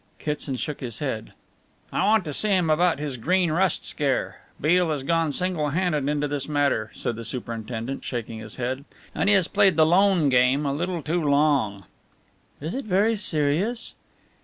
Kitson shook his head. "I want to see him about his Green Rust scare Beale has gone single handed into this matter," said the superintendent, shaking his head, "and he has played the lone game a little too long." "Is it very serious?"